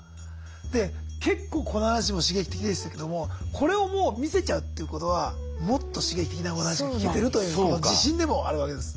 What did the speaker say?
で結構この話も刺激的でしたけどもこれをもう見せちゃうっていうことはもっと刺激的なお話が聞けてるという自信でもあるわけです。